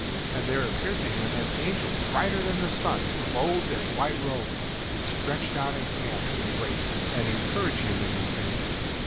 And there appeared to him an angel brighter than the sun, clothed in a white robe, who stretched out a hand to embrace and encourage him in his pain.